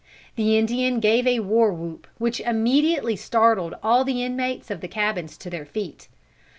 The Indian gave a war whoop, which immediately startled all the inmates of the cabins to their feet.